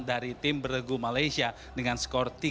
dari tim bergu malaysia dengan skor tiga